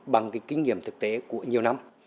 bằng kinh nghiệm thực tế của nhiều năm